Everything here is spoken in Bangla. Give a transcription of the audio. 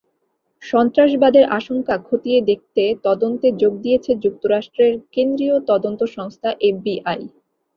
সন্ত্রাসবাদের আশঙ্কা খতিয়ে দেখতে তদন্তে যোগ দিয়েছে যুক্তরাষ্ট্রের কেন্দ্রীয় তদন্ত সংস্থা এফবিআই।